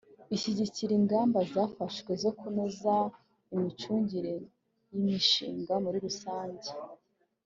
ishyigikira ingamba zafashwe zo kunoza imicungire y’imishinga muri rusange